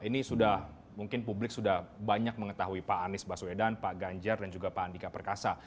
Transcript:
ini sudah mungkin publik sudah banyak mengetahui pak anies baswedan pak ganjar dan juga pak andika perkasa